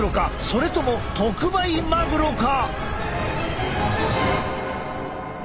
それとも特売マグロか？